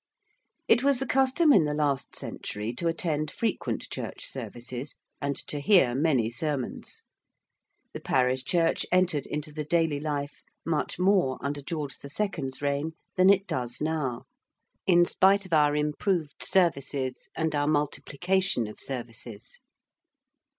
It was the custom in the last century to attend frequent church services, and to hear many sermons. The parish church entered into the daily life much more under George the Second's reign than it does now, in spite of our improved services and our multiplication of services.